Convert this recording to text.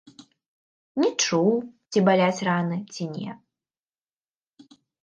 Не чуў, ці баляць раны, ці не.